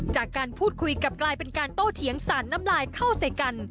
จากการพูดคุยกลับกลายเป็นการโต้เถียงสารน้ำลายเข้าใส่กัน